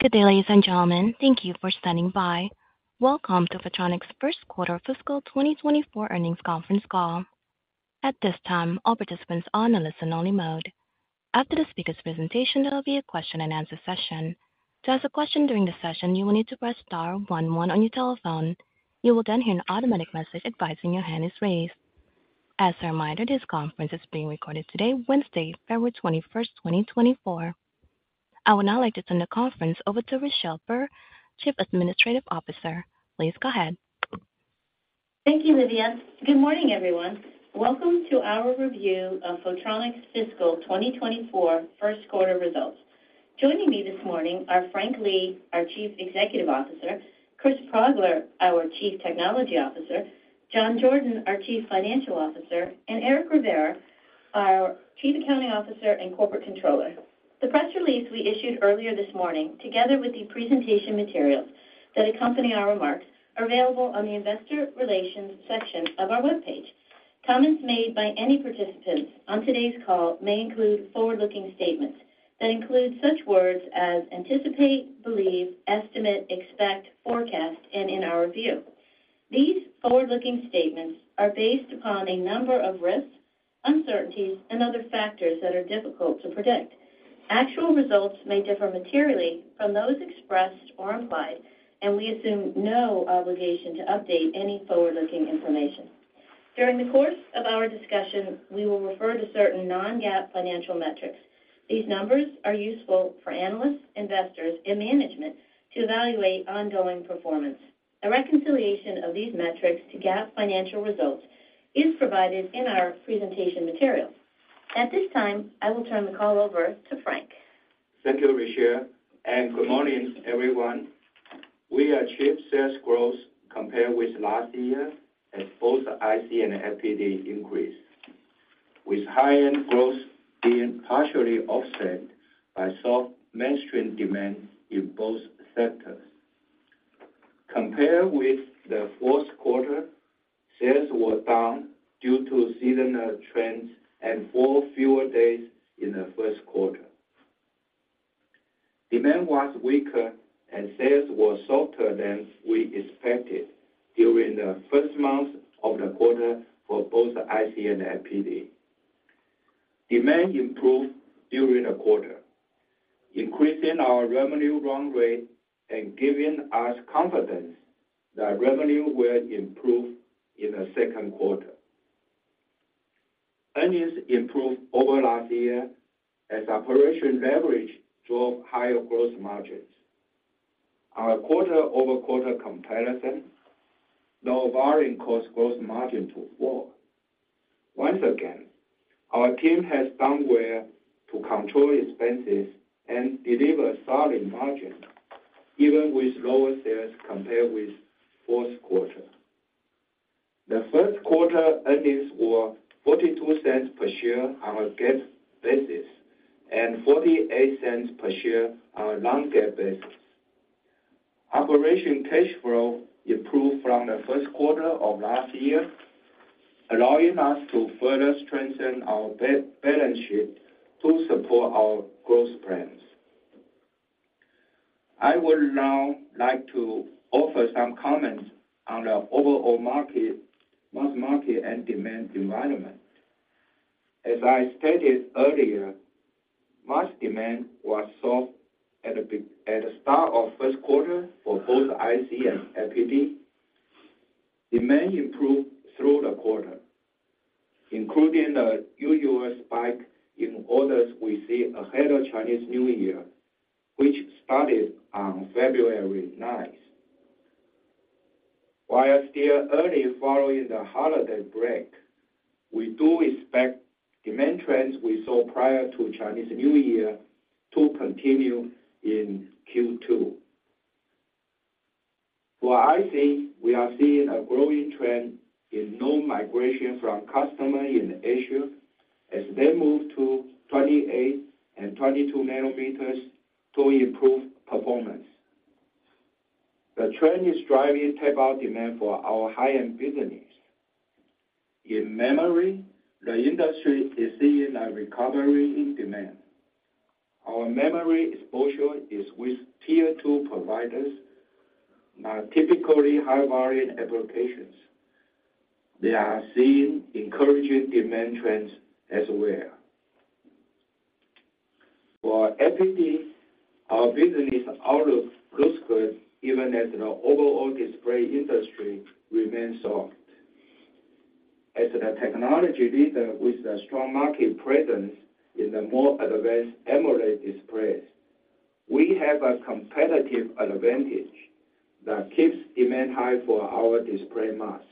Good day, ladies and gentlemen. Thank you for standing by. Welcome to Photronics' First Quarter Fiscal 2024 Earnings Conference Call. At this time, all participants are in a listen-only mode. After the speaker's presentation, there will be a question-and-answer session. To ask a question during the session, you will need to press star 11 on your telephone. You will then hear an automatic message advising your hand is raised. As a reminder, this conference is being recorded today, Wednesday, February 21st, 2024. I would now like to turn the conference over to Richelle Burr, Chief Administrative Officer. Please go ahead. Thank you, Lydia. Good morning, everyone. Welcome to our review of Photronics' fiscal 2024 first quarter results. Joining me this morning are Frank Lee, our Chief Executive Officer, Chris Progler, our Chief Technology Officer, John Jordan, our Chief Financial Officer, and Eric Rivera, our Chief Accounting Officer and Corporate Controller. The press release we issued earlier this morning, together with the presentation materials that accompany our remarks, is available on the Investor Relations section of our web page. Comments made by any participants on today's call may include forward-looking statements that include such words as anticipate, believe, estimate, expect, forecast, and in our view. These forward-looking statements are based upon a number of risks, uncertainties, and other factors that are difficult to predict. Actual results may differ materially from those expressed or implied, and we assume no obligation to update any forward-looking information. During the course of our discussion, we will refer to certain non-GAAP financial metrics. These numbers are useful for analysts, investors, and management to evaluate ongoing performance. A reconciliation of these metrics to GAAP financial results is provided in our presentation materials. At this time, I will turn the call over to Frank. Thank you, Richelle. Good morning, everyone. We achieved sales growth compared with last year as both IC and FPD increased, with high-end growth being partially offset by soft mainstream demand in both sectors. Compared with the fourth quarter, sales were down due to seasonal trends and four fewer days in the first quarter. Demand was weaker and sales were softer than we expected during the first month of the quarter for both IC and FPD. Demand improved during the quarter, increasing our revenue run rate and giving us confidence that revenue will improve in the second quarter. Earnings improved over last year as operation leverage drove higher gross margins. On a quarter-over-quarter comparison, low volume caused gross margin to fall. Once again, our team has done well to control expenses and deliver solid margin, even with lower sales compared with fourth quarter. The first quarter earnings were $0.42 per share on a GAAP basis and $0.48 per share on a non-GAAP basis. Operating cash flow improved from the first quarter of last year, allowing us to further strengthen our balance sheet to support our growth plans. I would now like to offer some comments on the overall mask market and demand environment. As I stated earlier, mask demand was soft at the start of first quarter for both IC and FPD. Demand improved through the quarter, including the usual spike in orders we see ahead of Chinese New Year, which started on February 9th. While still early following the holiday break, we do expect demand trends we saw prior to Chinese New Year to continue in Q2. For IC, we are seeing a growing trend in node migration from customers in Asia as they move to 28 and 22 nanometers to improve performance. The trend is driving tapeout demand for our high-end business. In memory, the industry is seeing a recovery in demand. Our memory exposure is with tier-two providers, not typically high-volume applications. They are seeing encouraging demand trends as well. For FPD, our business outlook looks good even as the overall display industry remains soft. As a technology leader with a strong market presence in the more advanced AMOLED displays, we have a competitive advantage that keeps demand high for our display mask.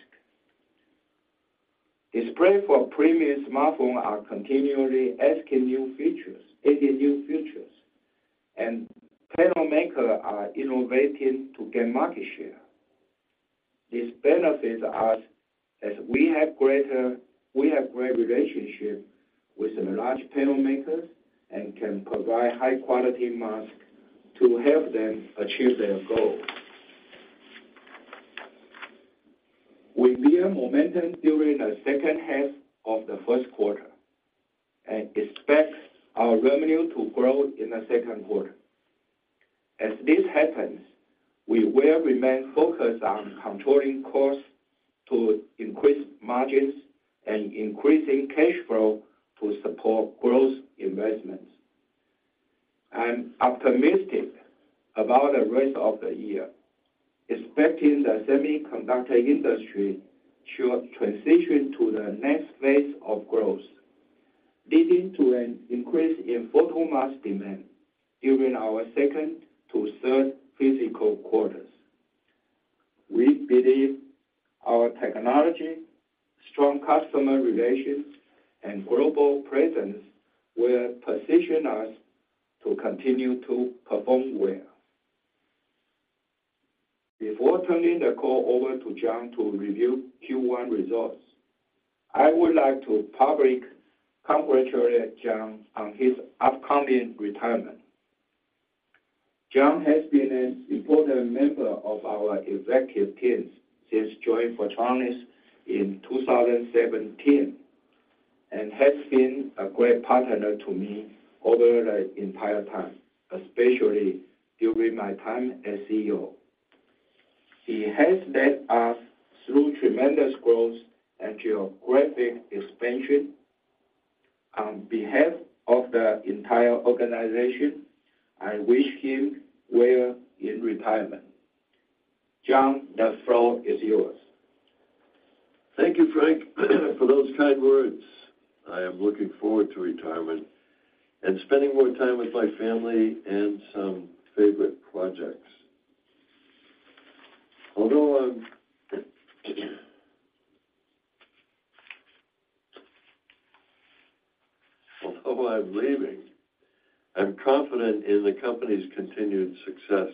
Display for premium smartphones are continually asking new features and panel makers are innovating to gain market share. This benefits us as we have great relationships with large panel makers and can provide high-quality masks to help them achieve their goals. We'll be in momentum during the second half of the first quarter and expect our revenue to grow in the second quarter. As this happens, we will remain focused on controlling costs to increase margins and increasing cash flow to support growth investments. I'm optimistic about the rest of the year, expecting the semiconductor industry to transition to the next phase of growth, leading to an increase in photomask demand during our second to third fiscal quarters. We believe our technology, strong customer relations, and global presence will position us to continue to perform well. Before turning the call over to John to review Q1 results, I would like to publicly congratulate John on his upcoming retirement. John has been an important member of our executive teams since joining Photronics in 2017 and has been a great partner to me over the entire time, especially during my time as CEO. He has led us through tremendous growth and geographic expansion. On behalf of the entire organization, I wish him well in retirement. John, the floor is yours. Thank you, Frank, for those kind words. I am looking forward to retirement and spending more time with my family and some favorite projects. Although I'm leaving, I'm confident in the company's continued success.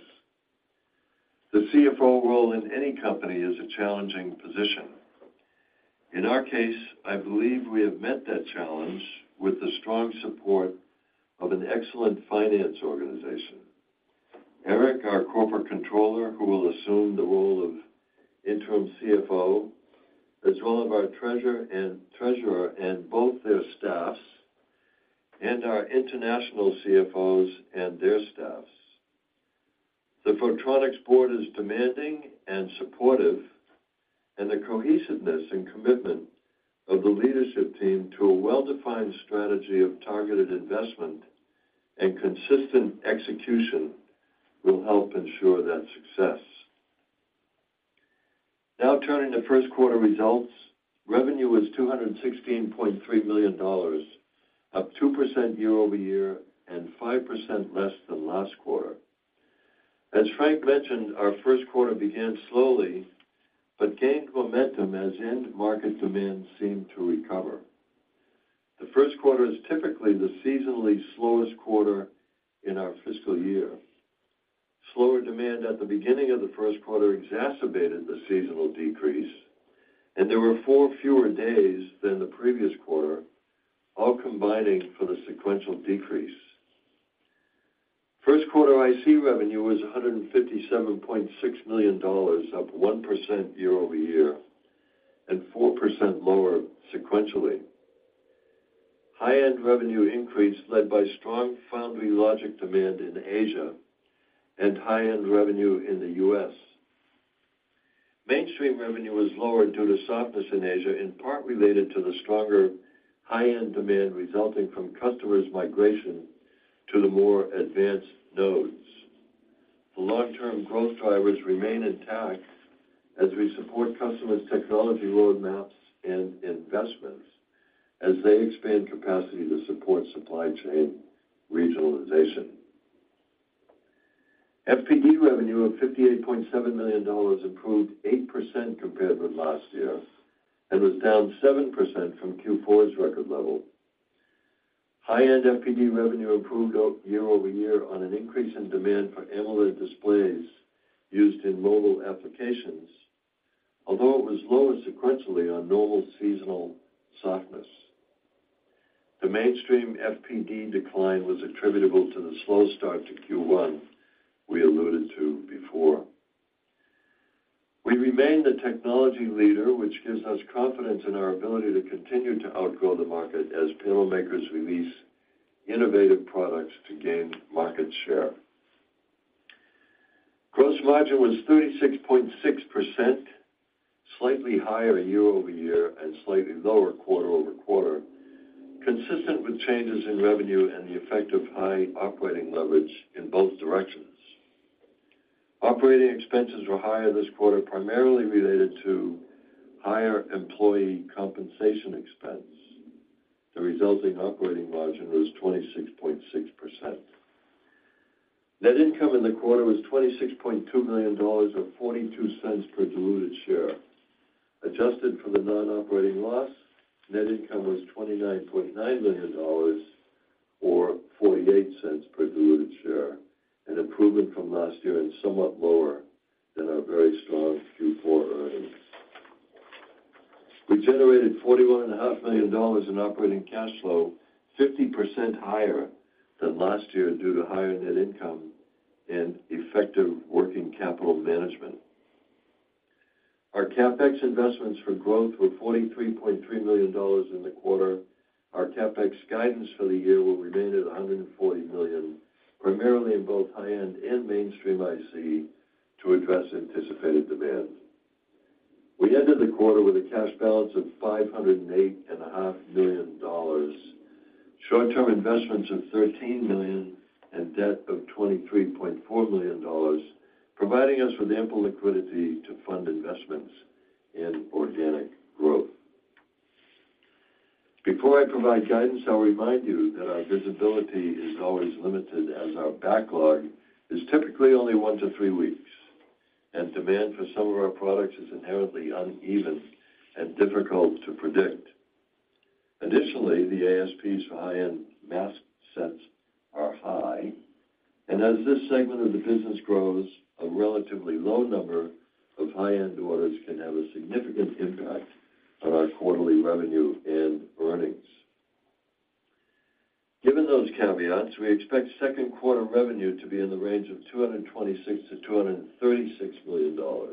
The CFO role in any company is a challenging position. In our case, I believe we have met that challenge with the strong support of an excellent finance organization, Eric, our corporate controller who will assume the role of interim CFO, as well as our treasurer and both their staffs and our international CFOs and their staffs. The Photronics board is demanding and supportive, and the cohesiveness and commitment of the leadership team to a well-defined strategy of targeted investment and consistent execution will help ensure that success. Now turning to first quarter results, revenue was $216.3 million, up 2% year-over-year and 5% less than last quarter. As Frank mentioned, our first quarter began slowly but gained momentum as end-market demand seemed to recover. The first quarter is typically the seasonally slowest quarter in our fiscal year. Slower demand at the beginning of the first quarter exacerbated the seasonal decrease, and there were four fewer days than the previous quarter, all combining for the sequential decrease. First quarter IC revenue was $157.6 million, up 1% year-over-year and 4% lower sequentially. High-end revenue increased led by strong foundry logic demand in Asia and high-end revenue in the U.S. Mainstream revenue was lower due to softness in Asia, in part related to the stronger high-end demand resulting from customers' migration to the more advanced nodes. The long-term growth drivers remain intact as we support customers' technology roadmaps and investments as they expand capacity to support supply chain regionalization. FPD revenue of $58.7 million improved 8% compared with last year and was down 7% from Q4's record level. High-end FPD revenue improved year-over-year on an increase in demand for AMOLED displays used in mobile applications, although it was lower sequentially on normal seasonal softness. The mainstream FPD decline was attributable to the slow start to Q1 we alluded to before. We remain the technology leader, which gives us confidence in our ability to continue to outgrow the market as panel makers release innovative products to gain market share. Gross margin was 36.6%, slightly higher year-over-year and slightly lower quarter-over-quarter, consistent with changes in revenue and the effect of high operating leverage in both directions. Operating expenses were higher this quarter, primarily related to higher employee compensation expense. The resulting operating margin was 26.6%. Net income in the quarter was $26.2 million or $0.42 per diluted share. Adjusted for the non-operating loss, net income was $29.9 million or $0.48 per diluted share, an improvement from last year and somewhat lower than our very strong Q4 earnings. We generated $41.5 million in operating cash flow, 50% higher than last year due to higher net income and effective working capital management. Our CapEx investments for growth were $43.3 million in the quarter. Our CapEx guidance for the year will remain at $140 million, primarily in both high-end and mainstream IC to address anticipated demand. We ended the quarter with a cash balance of $508.5 million, short-term investments of $13 million, and debt of $23.4 million, providing us with ample liquidity to fund investments in organic growth. Before I provide guidance, I'll remind you that our visibility is always limited as our backlog is typically only 1-3 weeks, and demand for some of our products is inherently uneven and difficult to predict. Additionally, the ASPs for high-end mask sets are high, and as this segment of the business grows, a relatively low number of high-end orders can have a significant impact on our quarterly revenue and earnings. Given those caveats, we expect second quarter revenue to be in the range of $226 million-$236 million.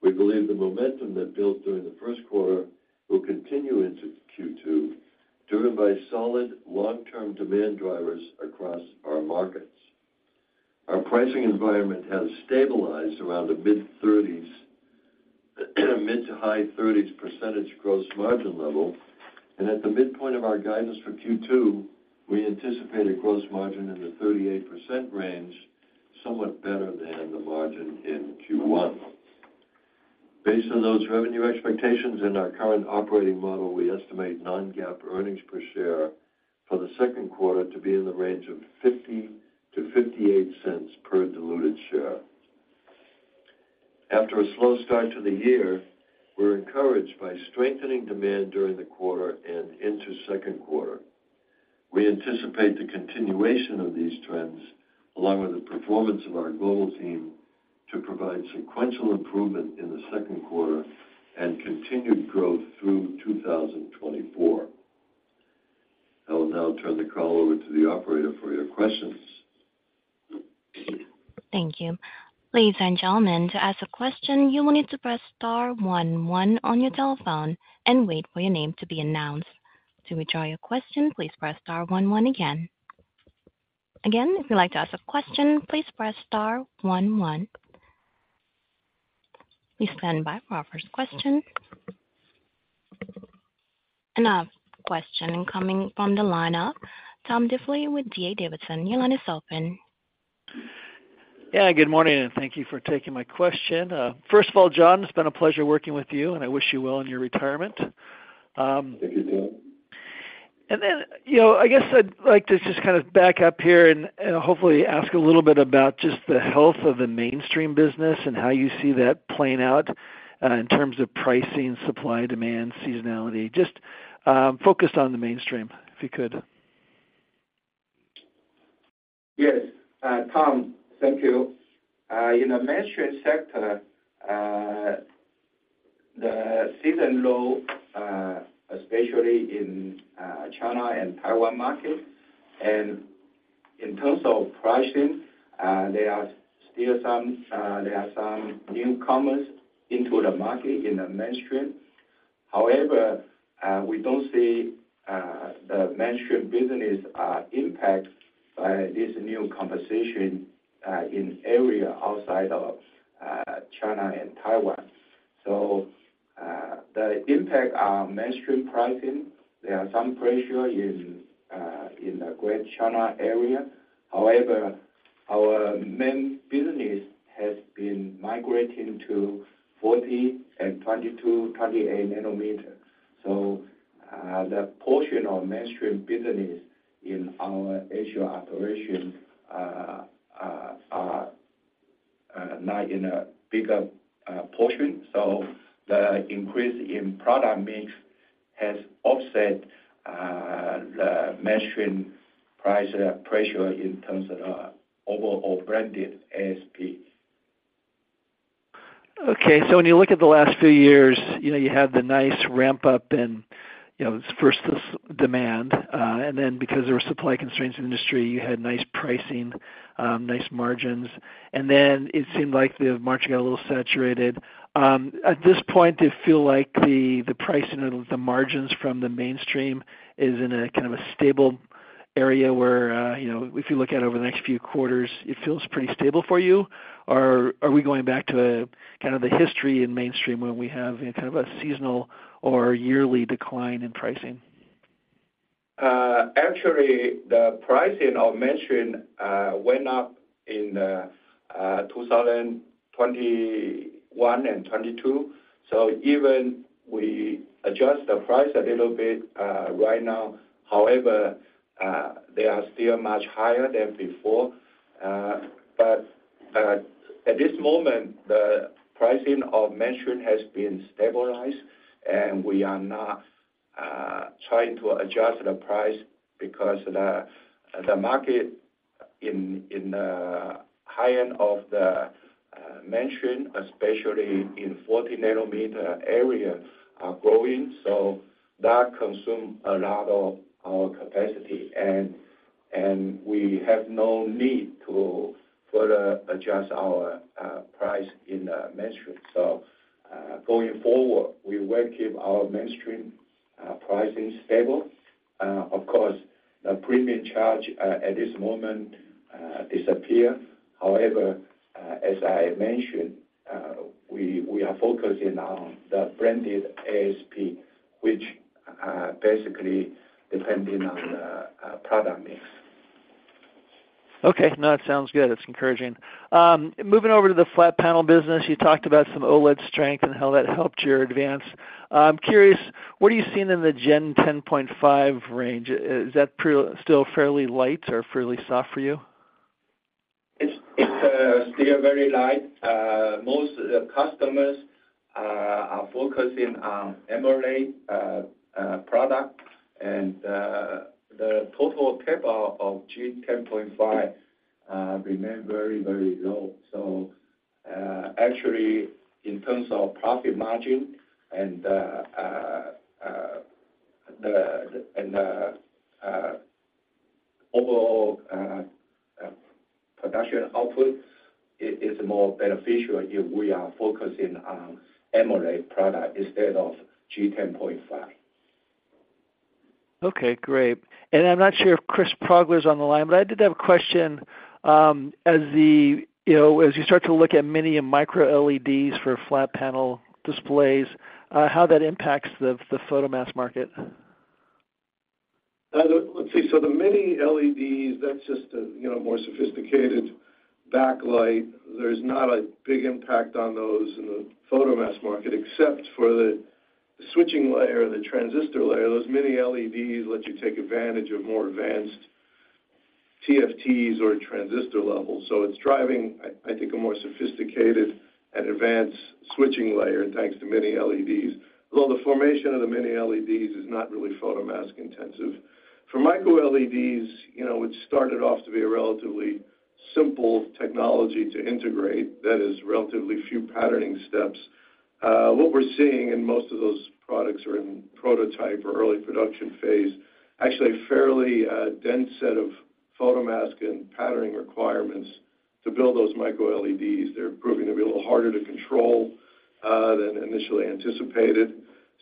We believe the momentum that built during the first quarter will continue into Q2, driven by solid long-term demand drivers across our markets. Our pricing environment has stabilized around a mid-30s%-mid to high-30s% gross margin level, and at the midpoint of our guidance for Q2, we anticipate a gross margin in the 38% range, somewhat better than the margin in Q1. Based on those revenue expectations and our current operating model, we estimate Non-GAAP earnings per share for the second quarter to be in the range of $0.50-$0.58 per diluted share. After a slow start to the year, we're encouraged by strengthening demand during the quarter and into second quarter. We anticipate the continuation of these trends, along with the performance of our global team, to provide sequential improvement in the second quarter and continued growth through 2024. I will now turn the call over to the operator for your questions. Thank you. Ladies and gentlemen, to ask a question, you will need to press star one one on your telephone and wait for your name to be announced. To withdraw your question, please press star one one again. Again, if you'd like to ask a question, please press star one one. Please stand by for our first question. Another question coming from the lineup. Tom Diffely with D.A. Davidson, your line is open. Yeah, good morning, and thank you for taking my question. First of all, John, it's been a pleasure working with you, and I wish you well in your retirement. Thank you, Tom. And then I guess I'd like to just kind of back up here and hopefully ask a little bit about just the health of the mainstream business and how you see that playing out in terms of pricing, supply, demand, seasonality? Just focus on the mainstream, if you could. Yes, Tom, thank you. In the mainstream sector, the seasonal low, especially in China and Taiwan markets, and in terms of pricing, there are still some newcomers into the market in the mainstream. However, we don't see the mainstream business impact by this new competition in areas outside of China and Taiwan. So the impact on mainstream pricing, there are some pressure in the Greater China area. However, our main business has been migrating to 40 and 22, 28 nanometer. So the portion of mainstream business in our Asia operations are not in a bigger portion. So the increase in product mix has offset the mainstream price pressure in terms of overall blended ASP. Okay. So when you look at the last few years, you had the nice ramp-up in first this demand, and then because there were supply constraints in the industry, you had nice pricing, nice margins. And then it seemed like the margin got a little saturated. At this point, do you feel like the pricing or the margins from the mainstream is in kind of a stable area where if you look at over the next few quarters, it feels pretty stable for you, or are we going back to kind of the history in mainstream when we have kind of a seasonal or yearly decline in pricing? Actually, the pricing of mainstream went up in 2021 and 2022. So even we adjust the price a little bit right now. However, they are still much higher than before. But at this moment, the pricing of mainstream has been stabilized, and we are not trying to adjust the price because the market in the high-end of the mainstream, especially in 40 nanometer area, are growing. So that consumes a lot of our capacity, and we have no need to further adjust our price in the mainstream. So going forward, we will keep our mainstream pricing stable. Of course, the premium charge at this moment disappeared. However, as I mentioned, we are focusing on the branded ASP, which basically depends on the product mix. Okay. No, that sounds good. It's encouraging. Moving over to the flat panel business, you talked about some OLED strength and how that helped your advance. I'm curious, what are you seeing in the Gen 10.5 range? Is that still fairly light or fairly soft for you? It's still very light. Most customers are focusing on AMOLED products, and the total tapeout of Gen 10.5 remains very, very low. So actually, in terms of profit margin and the overall production output, it's more beneficial if we are focusing on AMOLED products instead of Gen 10.5. Okay. Great. I'm not sure if Chris Progler's on the line, but I did have a question. As you start to look at Mini and Micro LEDs for flat panel displays, how that impacts the photomask market? Let's see. So the Mini LEDs, that's just a more sophisticated backlight. There's not a big impact on those in the photomask market, except for the switching layer, the transistor layer. Those Mini LEDs let you take advantage of more advanced TFTs or transistor levels. So it's driving, I think, a more sophisticated and advanced switching layer thanks to Mini LEDs, although the formation of the Mini LEDs is not really photomask-intensive. For Micro LEDs, it started off to be a relatively simple technology to integrate. That is, relatively few patterning steps. What we're seeing, and most of those products are in prototype or early production phase, actually a fairly dense set of photomask and patterning requirements to build those Micro LEDs. They're proving to be a little harder to control than initially anticipated.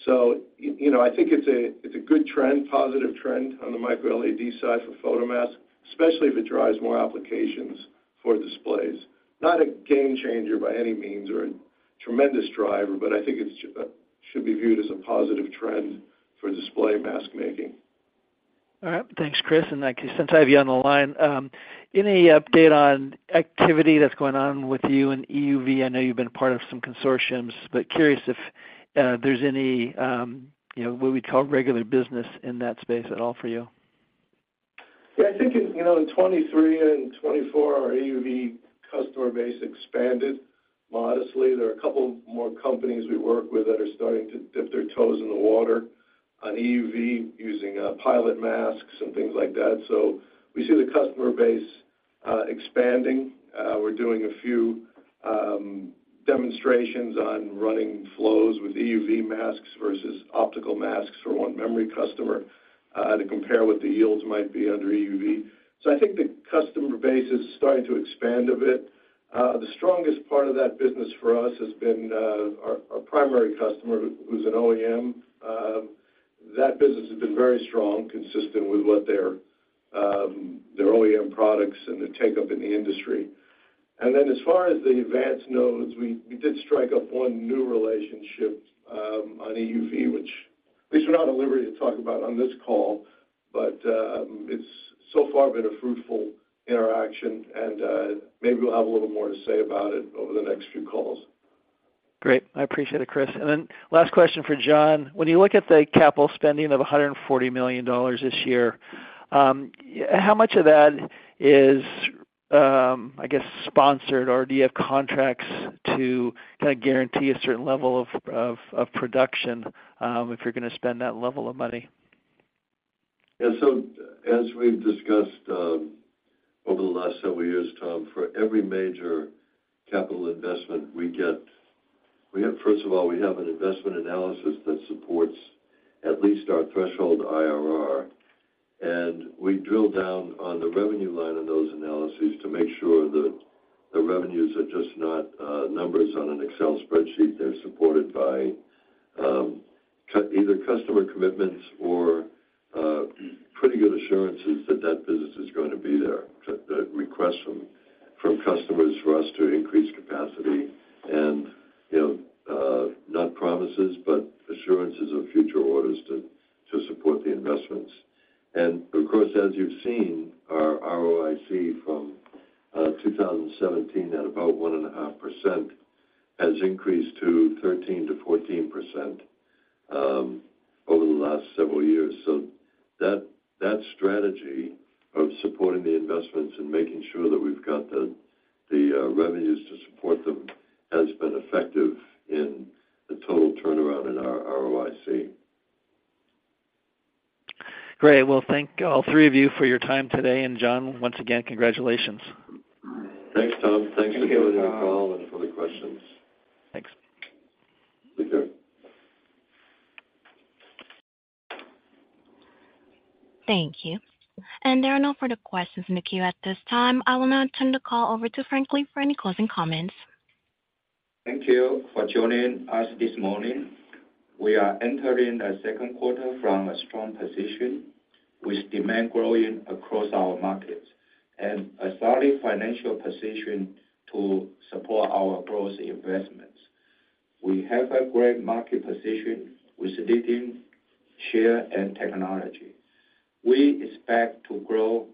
I think it's a good trend, positive trend on the Micro LED side for photomasks, especially if it drives more applications for displays. Not a game changer by any means or a tremendous driver, but I think it should be viewed as a positive trend for display mask making. All right. Thanks, Chris. Since I have you on the line, any update on activity that's going on with you in EUV? I know you've been part of some consortiums, but curious if there's any what we'd call regular business in that space at all for you. Yeah. I think in 2023 and 2024, our EUV customer base expanded modestly. There are a couple more companies we work with that are starting to dip their toes in the water on EUV using pilot masks and things like that. So we see the customer base expanding. We're doing a few demonstrations on running flows with EUV masks versus optical masks for one memory customer to compare what the yields might be under EUV. So I think the customer base is starting to expand a bit. The strongest part of that business for us has been our primary customer who's an OEM. That business has been very strong, consistent with their OEM products and their takeup in the industry. As far as the advanced nodes, we did strike up one new relationship on EUV, which at least we're not at liberty to talk about on this call, but it's so far been a fruitful interaction, and maybe we'll have a little more to say about it over the next few calls. Great. I appreciate it, Chris. And then last question for John. When you look at the capital spending of $140 million this year, how much of that is, I guess, sponsored, or do you have contracts to kind of guarantee a certain level of production if you're going to spend that level of money? Yeah. So as we've discussed over the last several years, Tom, for every major capital investment, first of all, we have an investment analysis that supports at least our threshold IRR. And we drill down on the revenue line of those analyses to make sure that the revenues are just not numbers on an Excel spreadsheet. They're supported by either customer commitments or pretty good assurances that that business is going to be there, requests from customers for us to increase capacity, and not promises, but assurances of future orders to support the investments. And of course, as you've seen, our ROIC from 2017 at about 1.5% has increased to 13%-14% over the last several years. So that strategy of supporting the investments and making sure that we've got the revenues to support them has been effective in the total turnaround in our ROIC. Great. Well, thank all three of you for your time today. John, once again, congratulations. Thanks, Tom. Thanks for joining the call and for the questions. Thanks. Take care. Thank you. There are no further questions in the queue at this time. I will now turn the call over to Frank Lee for any closing comments. Thank you for joining us this morning. We are entering the second quarter from a strong position with demand growing across our markets and a solid financial position to support our growth investments. We have a great market position with leading share and technology. We expect to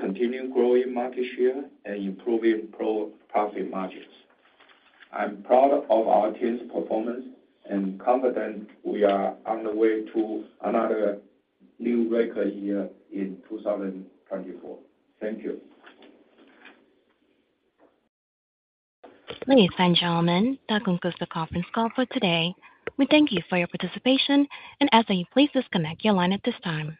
continue growing market share and improving profit margins. I'm proud of our team's performance and confident we are on the way to another new record year in 2024. Thank you. Great. Thanks, gentlemen. That concludes the conference call for today. We thank you for your participation, and ask that you please disconnect your line at this time.